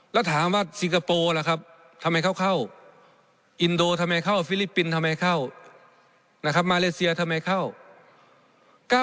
แล้วถามว่าซิงคโปร์ล่ะครับทำไมเขาเข้าอินโดทำไมเข้าฟิลิปปินส์ทำไมเข้านะครับมาเลเซียทำไมเข้า